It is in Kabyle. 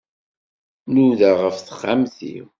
Nudaɣ ɣef texxamt-iw.